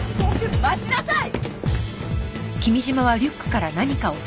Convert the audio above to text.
待ちなさい！